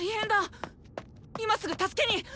今すぐ助けに！